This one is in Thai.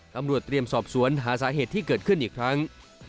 ตำรวจเตรียมสอบสวนหาสาเหตุที่เกิดขึ้นอีกครั้ง